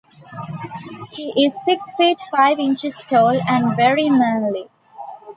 He is six feet five inches tall and very manly.